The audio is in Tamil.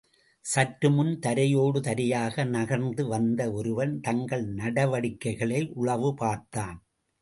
சற்றுமுன் தரையோடு தரையாக நகர்ந்து வந்து ஒருவன் தங்கள் நடவடிக்கைகளை உளவு பார்த்தான்.